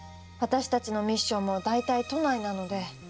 私たちのミッションも大体都内なので。